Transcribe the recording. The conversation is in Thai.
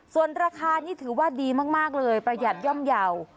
ส่วนราคานี่ถือว่าดีมากเลยประหยัดย่อมเยาว์